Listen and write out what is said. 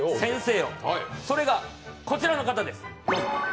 それがこちらの方です。